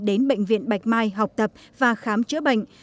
đến bệnh viện bạch mai học tập và khám chữa bệnh